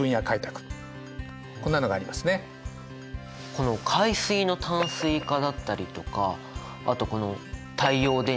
この「海水の淡水化」だったりとかあとこの「太陽電池」